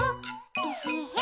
えへへ。